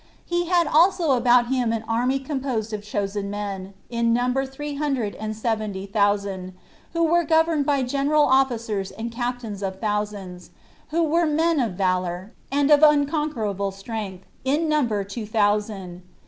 He had also about him an army composed of chosen men, in number three hundred and seventy thousand, who were governed by general officers and captains of thousands, who were men of valor, and of unconquerable strength, in number two thousand.